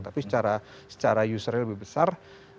tapi secara usernya lebih besar